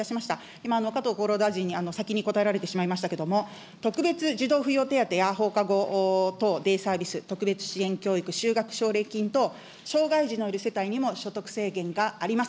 今、加藤厚労大臣に先に答えられてしまいましたけれども、特別児童扶養手当や放課後等、デイサービス、特別支援教育、修学奨励金と、障害児のいる世帯にも所得制限があります。